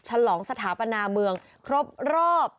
ฉลองสถาปนาเมืองครบรอบ